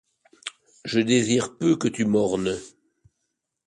Je désire peu que tu m’ornes